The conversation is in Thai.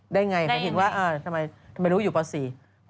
ได้ไงถึงว่าทำไมรู้ว่าอยู่ป๔